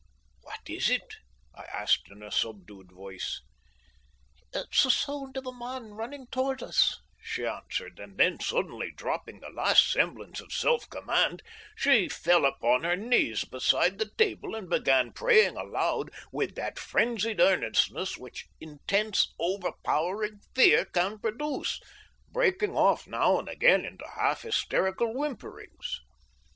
"What is it?" I asked, in a subdued voice. "It's the sound of a man running towards us," she answered, and then, suddenly dropping the last semblance of self command, she fell upon her knees beside the table and began praying aloud with that frenzied earnestness which intense, overpowering fear can produce, breaking off now and again into half hysterical whimperings.